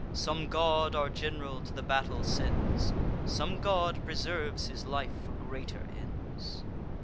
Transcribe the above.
Some god our general to the battle sends; Some god preserves his life for greater ends."